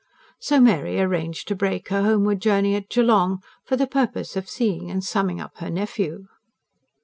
So Mary arranged to break her homeward journey at Geelong, for the purpose of seeing and summing up her nephew.